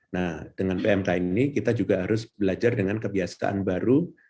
nah dengan pmk ini kita juga harus belajar dengan kebiasaan baru